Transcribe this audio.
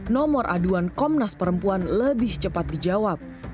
nomor aduan komnas perempuan lebih cepat dijawab